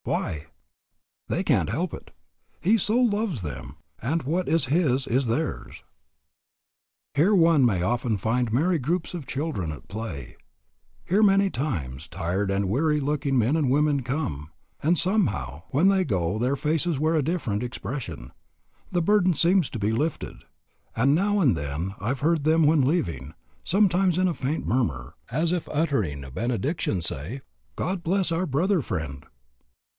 Why? They can't help it. He so loves them, and what is his is theirs. Here one may often find merry groups of children at play. Here many times tired and weary looking men and women come, and somehow, when they go their faces wear a different expression, the burden seems to be lifted; and now and then I have heard them when leaving, sometimes in a faint murmur, as if uttering a benediction, say, "God bless our brother friend."